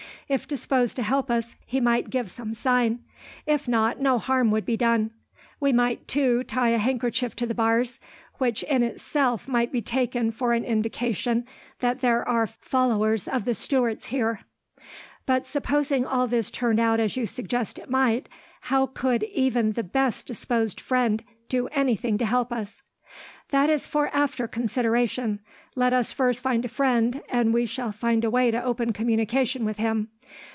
If disposed to help us, he might give some sign. If not, no harm would be done. We might, too, tie a handkerchief to the bars, which in itself might be taken for an indication that there are followers of the Stuarts here." "But supposing all this turned out as you suggest it might, how could even the best disposed friend do anything to help us?" "That is for after consideration. Let us first find a friend, and we shall find a way to open communication with him.